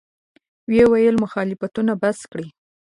ویې ویل: مخالفتونه بس کړئ.